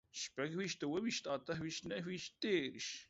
شپږويشت، اووه ويشت، اته ويشت، نهه ويشت، دېرش